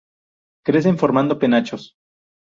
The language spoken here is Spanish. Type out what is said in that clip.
Crecen formando penachos.